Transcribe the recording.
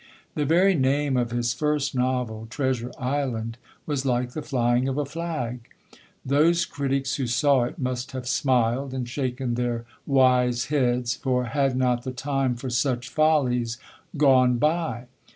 The very name of his first novel, Treasure Island, was like the flying of a flag. Those critics who saw it must have smiled, and shaken their wise heads, for had not the time for such follies gone by?